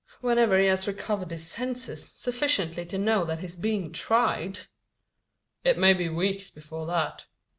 "Whenever he has recovered his senses, sufficiently to know that he's being tried!" "It may be weeks before that."